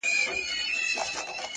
دا نفرتونه ځان ځانۍ به له سینې و باسو،